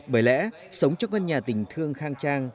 bởi lẽ sống trong căn nhà tình thương khang trang